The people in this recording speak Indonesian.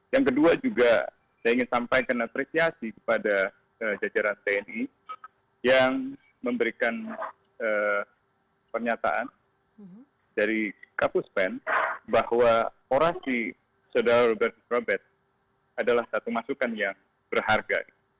yang kedua juga saya ingin sampaikan apresiasi kepada jajaran tni yang memberikan pernyataan dari kapuspen bahwa orasi saudara robert adalah satu masukan yang berharga